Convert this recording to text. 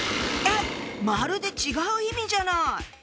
えっ⁉まるで違う意味じゃない！